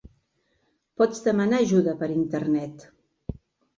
Pots demanar ajuda per Internet.